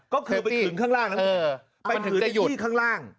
ก็คือไปถึงข้างล่างนั้นไปถึงในที่ข้างล่าง